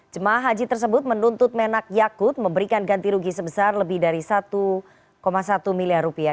jemaah haji tersebut menuntut menak yakut memberikan ganti rugi sebesar lebih dari satu satu miliar rupiah